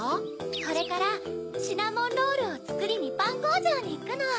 これからシナモンロールをつくりにパンこうじょうにいくの。